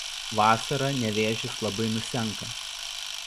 Vasarą Nevėžis labai nusenka.